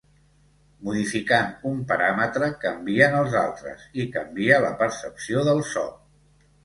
Modificant un paràmetre canvien els altres i canvia la percepció del so.